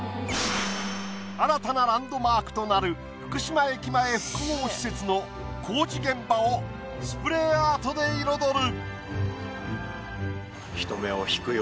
新たなランドマークとなる福島駅前複合施設の工事現場をスプレーアートで彩る。